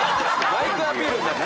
マイクアピールになってる。